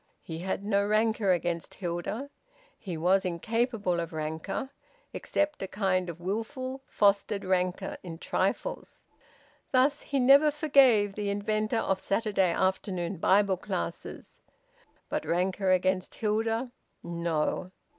He had no rancour against Hilda. He was incapable of rancour, except a kind of wilful, fostered rancour in trifles. Thus he never forgave the inventor of Saturday afternoon Bible classes. But rancour against Hilda! No!